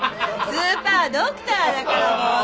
スーパードクターだからもうシゲさん。